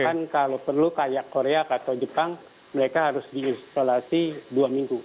bahkan kalau perlu kayak korea atau jepang mereka harus diisolasi dua minggu